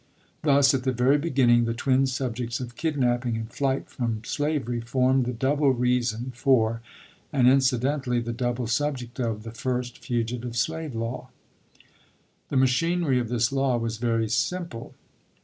Thus at the very beginning the twin subjects of kidnaping and flight from slavery formed the double reason for, and incidentally the double sub ject of, the first fugitive slave law. The machinery of this law was very simple.